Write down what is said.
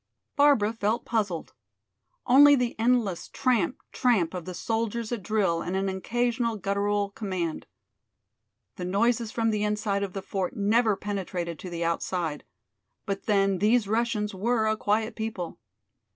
Barbara felt puzzled. Only the endless tramp, tramp of the soldiers at drill and an occasional guttural command. The noises from the inside of the fort never penetrated to the outside. But then these Russians were a quiet people.